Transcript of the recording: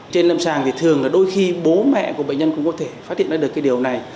trên lâm sàng thì thường là đôi khi bố mẹ của bệnh nhân cũng có thể phát hiện ra được cái điều này